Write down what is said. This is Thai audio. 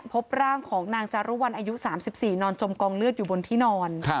พบร่างของนางจารุวัลอายุ๓๔นอนจมกองเลือดอยู่บนที่นอน